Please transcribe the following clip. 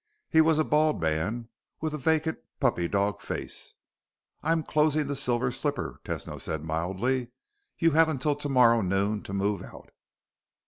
He was a bald man with a vacant, puppy dog face. "I'm closing the Silver Slipper," Tesno said mildly. "You have until tomorrow noon to move out."